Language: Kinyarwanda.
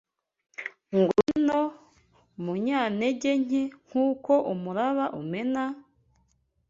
Ngwino, umunyantege nke nkuko umuraba umena!